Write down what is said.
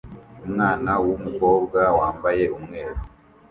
Umwana wumukobwa wambaye umweru